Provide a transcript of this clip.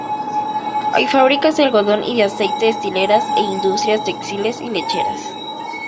Hay fábricas de algodón y de aceite, destilerías e industrias textiles y lecheras.